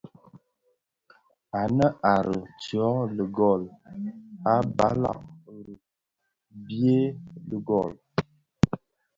Ànë à riì tyông lëëgol, a balàg rì byey lëëgol.